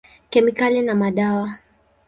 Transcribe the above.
Kemikali na madawa.